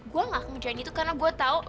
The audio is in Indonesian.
gua nggak mau jadi itu karena gue tahu